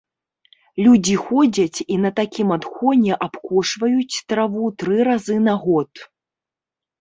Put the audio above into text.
Людзі ходзяць і на такім адхоне абкошваюць траву тры разы на год.